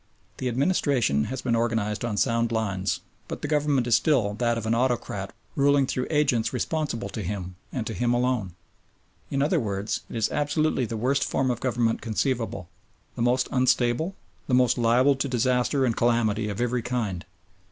The Administration has been organised on sound lines, but the Government is still that of an autocrat ruling through agents responsible to him, and to him alone. In other words, it is absolutely the worst form of government conceivable; the most unstable, the most liable to disaster and calamity of every kind.